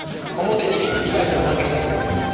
表に被害者の関係者が来てます。